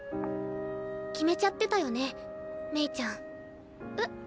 決めちゃってたよねメイちゃん。え？